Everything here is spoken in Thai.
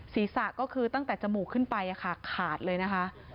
ศีรษะก็คือตั้งแต่จมูกขึ้นไปขาดเลยนะคะ